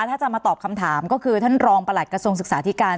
ถ้าจะมาตอบคำถามก็คือท่านรองประหลัดกระทรวงศึกษาธิการ